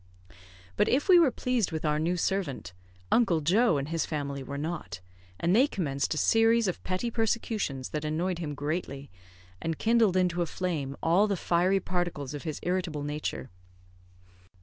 But if we were pleased with our new servant, Uncle Joe and his family were not, and they commenced a series of petty persecutions that annoyed him greatly, and kindled into a flame all the fiery particles of his irritable nature.